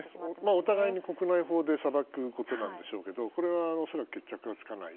お互いに国内法で裁くということなんでしょうけどこれは恐らく決着はつかない。